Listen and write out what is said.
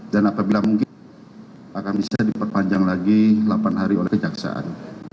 dan apabila mungkin akan bisa diperpanjang lagi lapan hari oleh kejaksaan